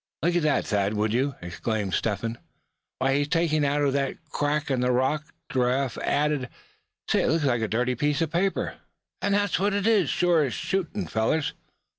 "Look at Thad, would you?" exclaimed Step Hen. "What's he taking out of that crack in the rock?" Giraffe added. "Say, looks like a dirty piece of paper; and that's what it is, sure as shootin', fellers!"